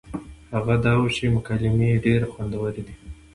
هغه دا وه چې مکالمې يې ډېرې خوندورې دي